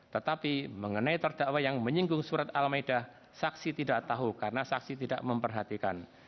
tetapi mengenai terdakwa yang menyinggung surat al ⁇ maidah saksi tidak tahu karena saksi tidak memperhatikan